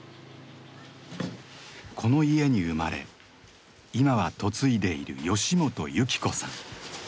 この家に生まれ今は嫁いでいる吉本幸子さん。